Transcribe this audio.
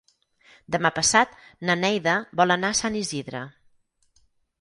Demà passat na Neida vol anar a Sant Isidre.